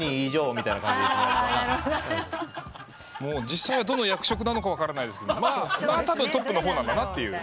実際はどの役職なのか分からないですけどたぶんトップの方なんだなと。